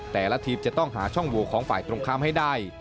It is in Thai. แต่ละทีมจะต้องหาช่องโหวของฝ่ายตรงข้ามให้ได้